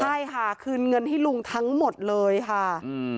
ใช่ค่ะคืนเงินให้ลุงทั้งหมดเลยค่ะอืม